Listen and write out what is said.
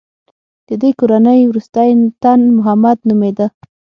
د دې کورنۍ وروستی تن محمد نومېده.